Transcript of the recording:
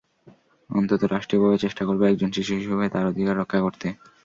অন্তত রাষ্ট্রীয়ভাবে চেষ্টা করব একজন শিশু হিসেবে তার অধিকার রক্ষা করতে।